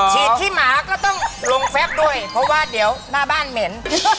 ขี้หมาก็ต้องลงแฟบด้วยเพราะว่าเดี๋ยวหน้าบ้านเหม็น